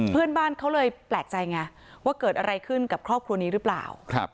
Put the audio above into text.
เพื่อนบ้านเขาเลยแปลกใจไงว่าเกิดอะไรขึ้นกับครอบครัวนี้หรือเปล่า